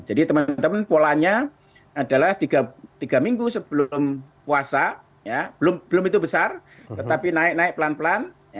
jadi teman teman polanya adalah tiga minggu sebelum puasa belum itu besar tetapi naik naik pelan pelan